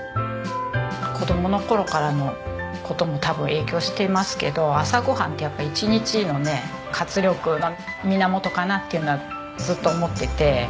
子供の頃からの事も多分影響してますけど朝ごはんってやっぱ一日のね活力源かなっていうのはずっと思ってて。